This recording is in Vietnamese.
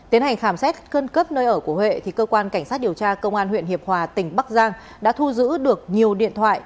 tiến hành khám xét cân cấp nơi ở của huệ thì cơ quan cảnh sát điều tra công an huyện hiệp hòa tỉnh bắc giang đã thu giữ được nhiều điện thoại